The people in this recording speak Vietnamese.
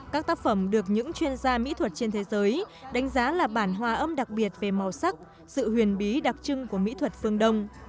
các tác phẩm được những chuyên gia mỹ thuật trên thế giới đánh giá là bản hòa âm đặc biệt về màu sắc sự huyền bí đặc trưng của mỹ thuật phương đông